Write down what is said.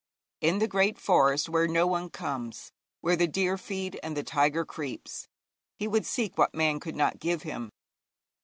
In the great forest where no one comes, where the deer feed and the tiger creeps, he would seek what man could not give him.